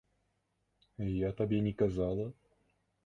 Я табе не казала?